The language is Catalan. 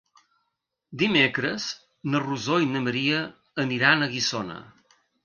Dimecres na Rosó i na Maria aniran a Guissona.